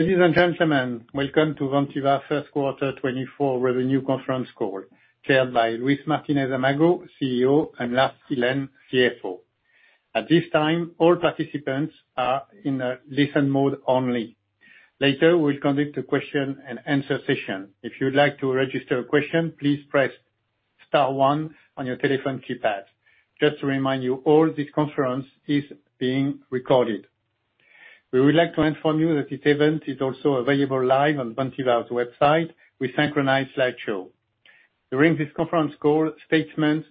Ladies and gentlemen, welcome to Vantiva First Quarter 2024 Revenue Conference Call, chaired by Luis Martínez-Amago, CEO, and Lars Ihlen, CFO. At this time, all participants are in listen mode only. Later, we'll conduct a question-and-answer session. If you'd like to register a question, please press star one on your telephone keypad. Just to remind you, all this conference is being recorded. We would like to inform you that this event is also available live on Vantiva's website with synchronized slideshow. During this conference call, statements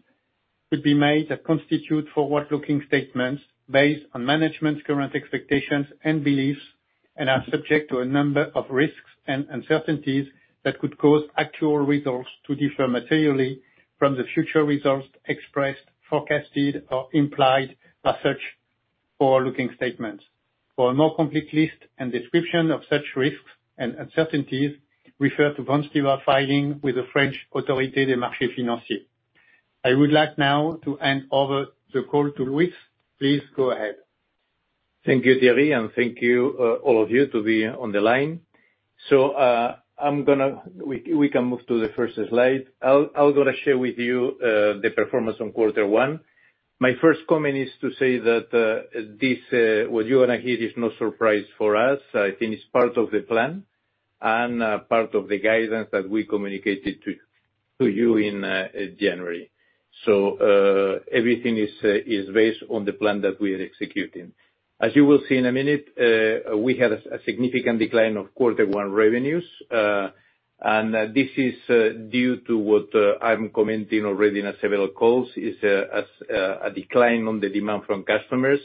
could be made that constitute forward-looking statements based on management's current expectations and beliefs, and are subject to a number of risks and uncertainties that could cause actual results to differ materially from the future results expressed, forecasted, or implied by such forward-looking statements. For a more complete list and description of such risks and uncertainties, refer to Vantiva filing with the French Autorité des Marchés Financiers. I would like now to hand over the call to Luis. Please go ahead. Thank you, Thierry, and thank you, all of you, to be on the line. So I'm going to move to the first slide. I'm going to share with you the performance on Quarter 1. My first comment is to say that what you're going to hear is no surprise for us. I think it's part of the plan and part of the guidance that we communicated to you in January. So everything is based on the plan that we are executing. As you will see in a minute, we had a significant decline of Quarter 1 revenues, and this is due to what I'm commenting already in several calls, is a decline in the demand from customers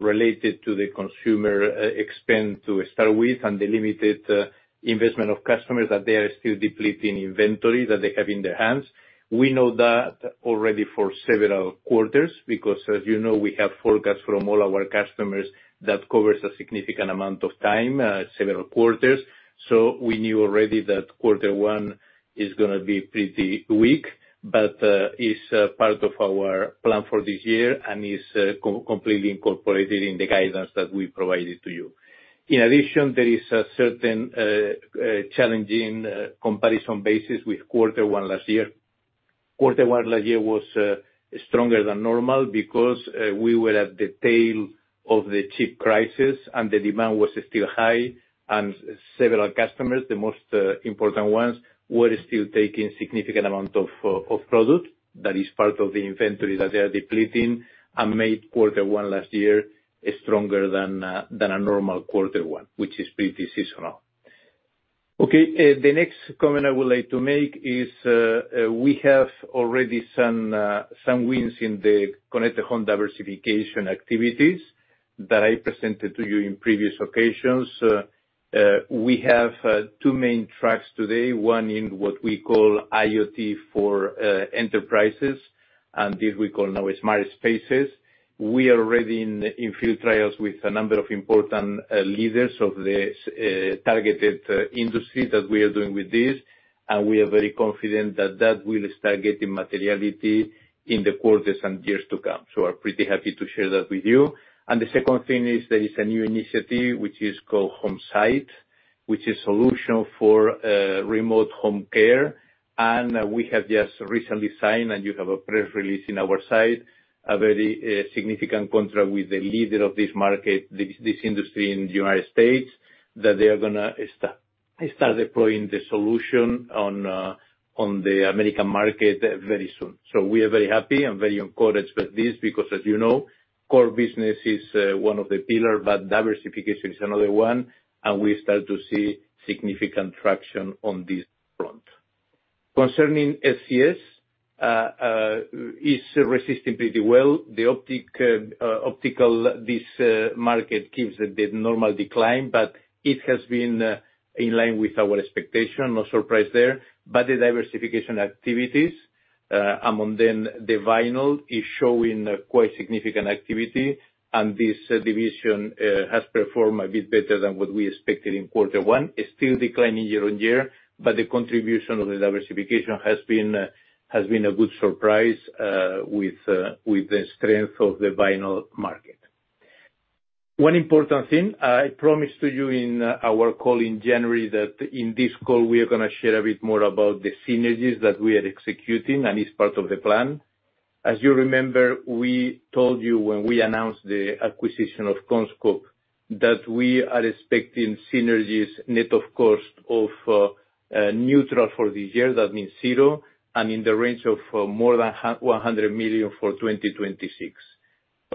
related to the consumer expense to start with and the limited investment of customers that they are still depleting inventory that they have in their hands. We know that already for several quarters because, as you know, we have forecasts from all our customers that cover a significant amount of time, several quarters. So we knew already that Quarter 1 is going to be pretty weak, but it's part of our plan for this year and is completely incorporated in the guidance that we provided to you. In addition, there is a certain challenging comparison basis with Quarter 1 last year. Quarter 1 last year was stronger than normal because we were at the tail of the chip crisis and the demand was still high, and several customers, the most important ones, were still taking a significant amount of product that is part of the inventory that they are depleting and made Quarter 1 last year stronger than a normal Quarter 1, which is pretty seasonal. Okay. The next comment I would like to make is we have already some wins in the Connected Home Diversification activities that I presented to you in previous occasions. We have two main tracks today, one in what we call IoT for enterprises, and this we call now Smart Spaces. We are already in field trials with a number of important leaders of the targeted industry that we are doing with this, and we are very confident that that will start getting materiality in the quarters and years to come. So we're pretty happy to share that with you. The second thing is there is a new initiative which is called HomeSight, which is a solution for remote home care, and we have just recently signed, and you have a press release in our site, a very significant contract with the leader of this industry in the United States that they are going to start deploying the solution on the American market very soon. So we are very happy and very encouraged with this because, as you know, core business is one of the pillars, but diversification is another one, and we start to see significant traction on this front. Concerning SCS, it's resisting pretty well. The optical disc market keeps the normal decline, but it has been in line with our expectation. No surprise there. But the diversification activities, among them the vinyl, is showing quite significant activity, and this division has performed a bit better than what we expected in Quarter 1. It's still declining year-on-year, but the contribution of the diversification has been a good surprise with the strength of the vinyl market. One important thing, I promised to you in our call in January that in this call we are going to share a bit more about the synergies that we are executing and is part of the plan. As you remember, we told you when we announced the acquisition of CommScope that we are expecting synergies net of cost of neutral for this year. That means zero and in the range of more than 100 million for 2026.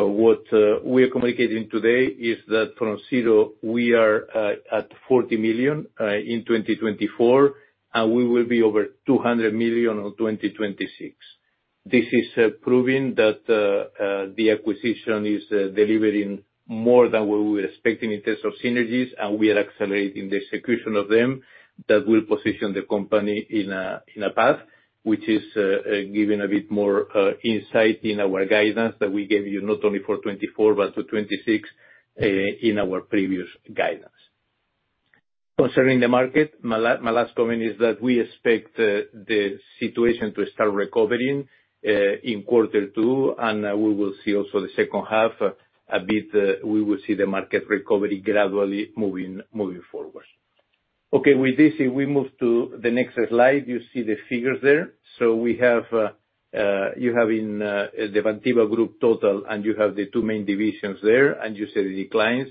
What we are communicating today is that from zero, we are at 40 million in 2024, and we will be over 200 million in 2026. This is proving that the acquisition is delivering more than what we were expecting in terms of synergies, and we are accelerating the execution of them that will position the company in a path which is giving a bit more insight in our guidance that we gave you not only for 2024 but to 2026 in our previous guidance. Concerning the market, my last comment is that we expect the situation to start recovering in Quarter 2, and we will see also the second half a bit we will see the market recovery gradually moving forward. Okay. With this, if we move to the next slide, you see the figures there. So you have in the Vantiva Group total, and you have the two main divisions there, and you see the declines,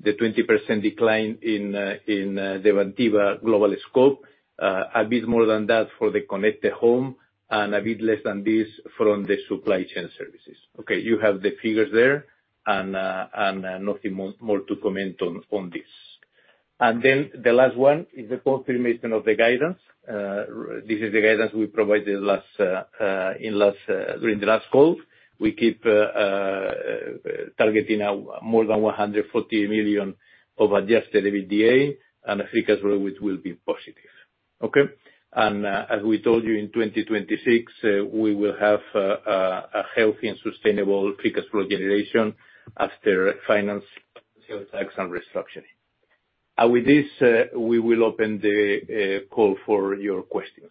the 20% decline in the Vantiva Global Scope, a bit more than that for the Connected Home, and a bit less than this from the Supply Chain Services. Okay. You have the figures there, and nothing more to comment on this. And then the last one is the confirmation of the guidance. This is the guidance we provided during the last call. We keep targeting more than 140 million of Adjusted EBITDA, and the Free Cash Flow will be positive. Okay. And as we told you, in 2026, we will have a healthy and sustainable Free Cash Flow generation after finance, potential tax, and restructuring. And with this, we will open the call for your questions.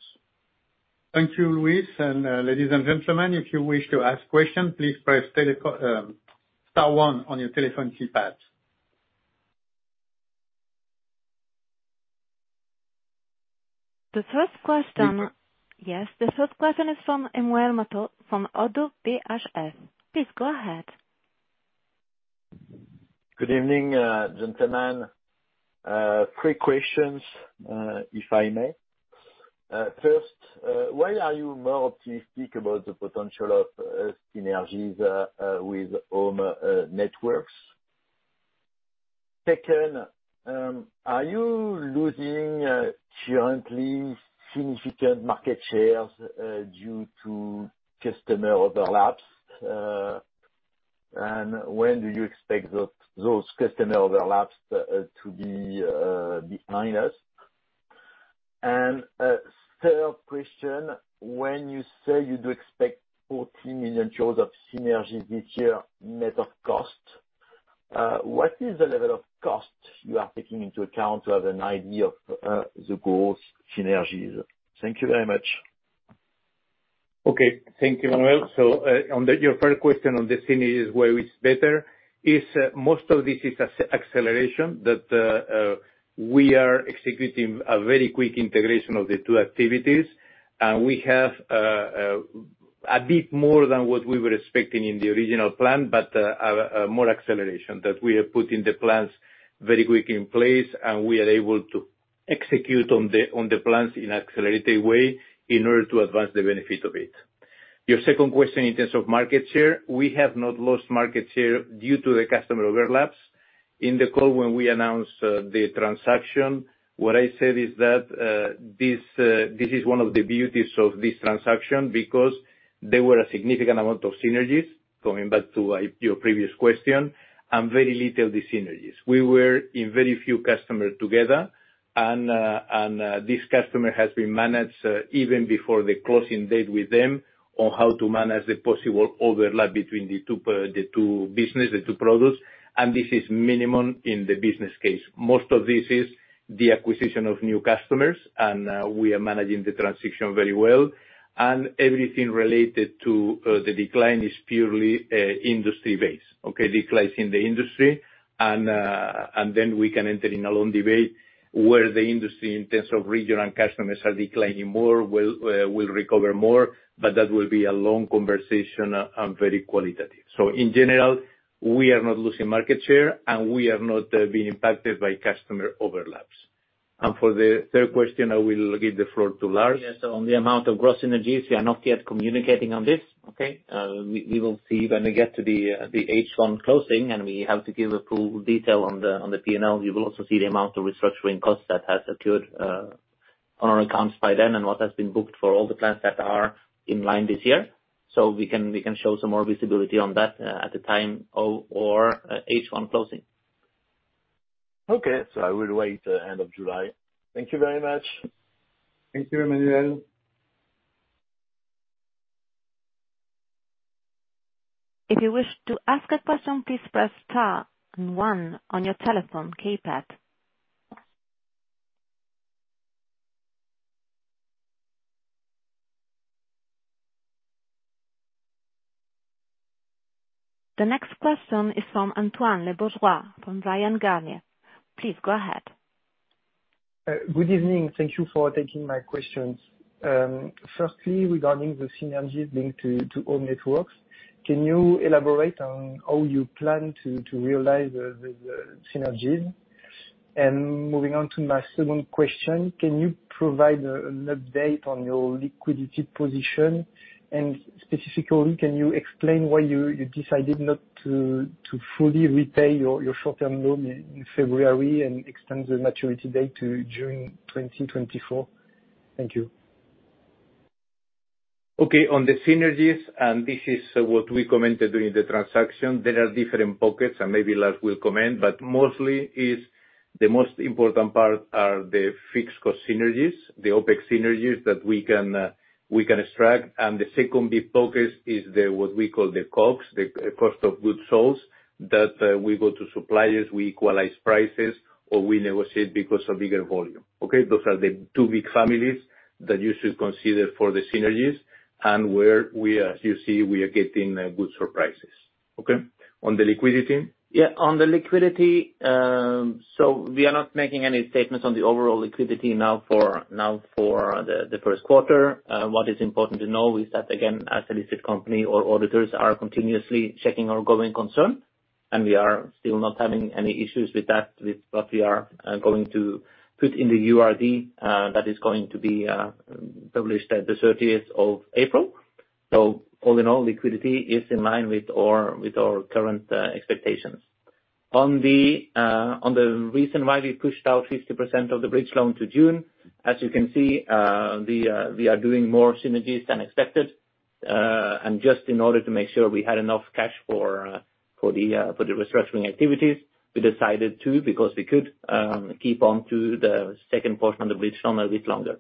Thank you, Luis. Ladies and gentlemen, if you wish to ask questions, please press star one on your telephone keypad. The first question, yes, the first question is from Emmanuel Matot from Oddo BHF. Please go ahead. Good evening, gentlemen. Three questions, if I may. First, why are you more optimistic about the potential of synergies with Home Networks? Second, are you losing currently significant market shares due to customer overlaps? And when do you expect those customer overlaps to be behind us? And third question, when you say you do expect 40 million euros of synergies this year net of cost, what is the level of cost you are taking into account to have an idea of the growth synergies? Thank you very much. Okay. Thank you, Emmanuel. So your first question on the synergies where it's better is most of this is acceleration that we are executing a very quick integration of the two activities, and we have a bit more than what we were expecting in the original plan, but more acceleration that we are putting the plans very quickly in place, and we are able to execute on the plans in an accelerated way in order to advance the benefit of it. Your second question in terms of market share, we have not lost market share due to the customer overlaps. In the call when we announced the transaction, what I said is that this is one of the beauties of this transaction because there were a significant amount of synergies coming back to your previous question and very little dissynergies. We were in very few customers together, and this customer has been managed even before the closing date with them on how to manage the possible overlap between the two business, the two products, and this is minimum in the business case. Most of this is the acquisition of new customers, and we are managing the transition very well. Everything related to the decline is purely industry-based, okay, declines in the industry. Then we can enter in a long debate where the industry in terms of region and customers are declining more, will recover more, but that will be a long conversation and very qualitative. So in general, we are not losing market share, and we are not being impacted by customer overlaps. For the third question, I will give the floor to Lars. Yes. So on the amount of gross synergies, we are not yet communicating on this, okay? We will see when we get to the H1 closing, and we have to give a full detail on the P&L. You will also see the amount of restructuring costs that has occurred on our accounts by then and what has been booked for all the plans that are in line this year. So we can show some more visibility on that at the time of H1 closing. Okay. So I would wait until the end of July. Thank you very much. Thank you, Emmanuel. If you wish to ask a question, please press star one on your telephone keypad. The next question is from Antoine Lebourgeois from Bryan, Garnier. Please go ahead. Good evening. Thank you for taking my questions. Firstly, regarding the synergies linked to Home Networks, can you elaborate on how you plan to realize the synergies? Moving on to my second question, can you provide an update on your liquidity position? Specifically, can you explain why you decided not to fully repay your short-term loan in February and extend the maturity date to June 2024? Thank you. Okay. On the synergies, and this is what we commented during the transaction, there are different pockets, and maybe Lars will comment, but mostly the most important part are the fixed-cost synergies, the OpEx synergies that we can extract. And the second big pocket is what we call the COGS, the cost of goods sold that we go to suppliers, we equalize prices, or we negotiate because of bigger volume, okay? Those are the two big families that you should consider for the synergies and where, as you see, we are getting goods for prices, okay? On the liquidity? Yeah. On the liquidity, so we are not making any statements on the overall liquidity now for the first quarter. What is important to know is that, again, as a listed company, our auditors are continuously checking our going concern, and we are still not having any issues with that, with what we are going to put in the URD that is going to be published the 30th of April. So all in all, liquidity is in line with our current expectations. On the reason why we pushed out 50% of the bridge loan to June, as you can see, we are doing more synergies than expected. Just in order to make sure we had enough cash for the restructuring activities, we decided to, because we could, keep on to the second portion of the bridge loan a bit longer.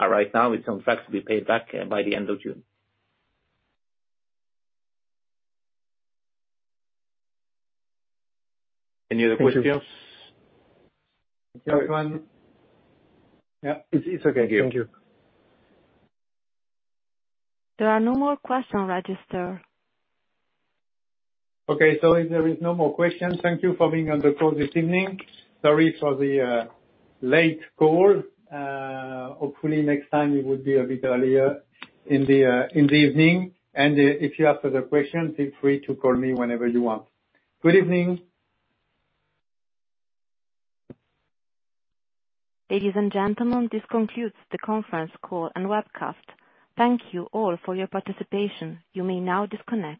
Right now, it's on track to be paid back by the end of June. Any other questions? Thank you. Thank you, Antoine. Yeah. It's okay. Thank you. Thank you. There are no more questions registered. Okay. If there is no more questions, thank you for being on the call this evening. Sorry for the late call. Hopefully, next time, it would be a bit earlier in the evening. If you have further questions, feel free to call me whenever you want. Good evening. Ladies and gentlemen, this concludes the conference call and webcast. Thank you all for your participation. You may now disconnect.